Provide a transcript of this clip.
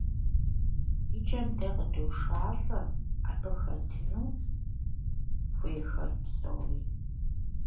И, наконец, мы привлекаем к участию все заинтересованные стороны.